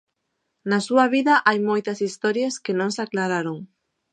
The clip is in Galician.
Na súa vida hai moitas historias que non se aclararon.